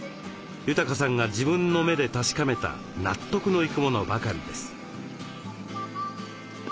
裕さんが自分の目で確かめた納得のいくものばかりです。